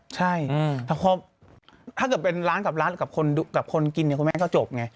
ใช่แต่พอถ้าเกิดเป็นร้านกับร้านกับคนกินเนี่ยคุณแม่ก็จบไง